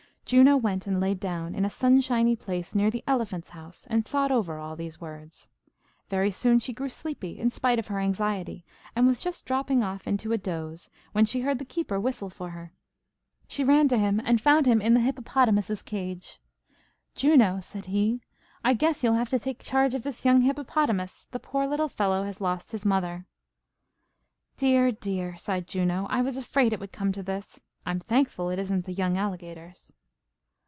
Juno went and lay down in a sunshiny place near the elephant's house, and thought over all these words. Very soon she grew sleepy, in spite of her anxiety, and was just dropping off into a doze, when she heard the keeper whistle for her. She ran to him and found him in the hippopotamus's cage. [Illustration: JUNO TAKES CARE OF THE YOUNG HIPPOPOTAMUS.] "Juno," said he, "I guess you'll have to take charge of this young hippopotamus, the poor little fellow has lost his mother." "Dear, dear!" sighed Juno. "I was afraid it would come to this. I'm thankful it isn't the young alligators."